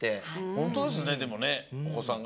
ホントですねでもねおこさんが。